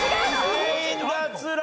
全員脱落！